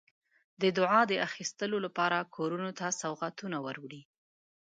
د دعا د اخیستلو لپاره کورونو ته سوغاتونه وروړي.